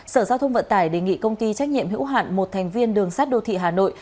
sở giao thông vận tải đề nghị công ty trách nhiệm hữu hạn một thành viên đường sát đô thị hà nội